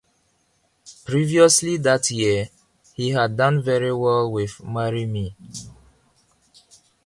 Previously that year he had done very well with "Marry Me".